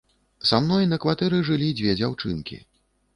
Са мной на кватэры жылі дзве дзяўчынкі.